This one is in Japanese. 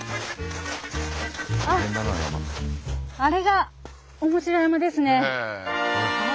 あっあれが面白山ですね。